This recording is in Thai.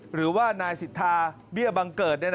หรือว่านายสิทธาเบี้ยบังเกิด